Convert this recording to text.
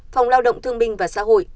phòng lao động thương minh và xã hội